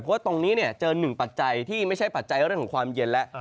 เพราะว่าตรงนี้เจอหนึ่งปัจจัยที่ไม่ใช่ปัจจัยเรื่องของความเย็นแล้ว